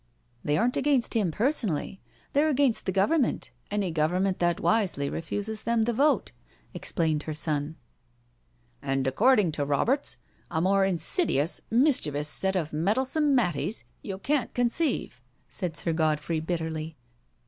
'^" They aren't against him personally—they're against the Government— any government that wisely refuses them the vote/' explained her son. " Andf according to Roberts, a more insidious, mis chievous set of Meddlesome Matties ybu can't con ceive/' said Sir Godfrey bitterly.